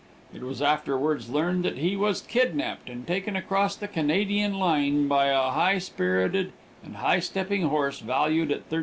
It was afterwards learned that he was kidnapped and taken across the Canadian line by a high spirited and high stepping horse valued at $1,300.